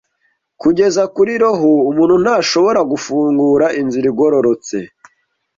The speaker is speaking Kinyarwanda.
kugeza kuri roho umuntu ntashobora gufungura inzira igororotse